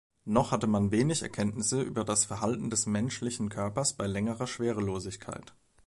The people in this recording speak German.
Noch hatte man wenig Erkenntnisse über das Verhalten des menschlichen Körpers bei längerer Schwerelosigkeit.